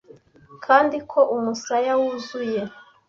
kandi ko umusaya wuzuye